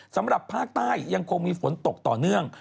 สำหรับภาคใต้ยังคงมีฝนตกต่อเนื่อง